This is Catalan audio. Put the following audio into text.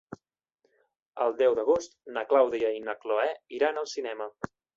El deu d'agost na Clàudia i na Cloè iran al cinema.